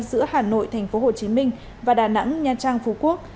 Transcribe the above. giữa hà nội tp hcm và đà nẵng nha trang phú quốc